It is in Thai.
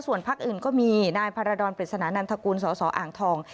ส่วนพักอื่นก็มีนายพารดรปริศนานันทกูลสสอ่างทอง